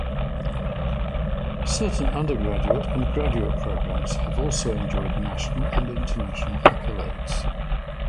Certain undergraduate and graduate programs have also enjoyed national and international accolades.